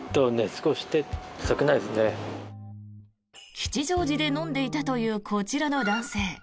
吉祥寺で飲んでいたというこちらの男性。